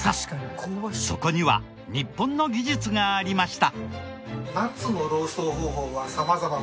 そこには日本の技術がありました。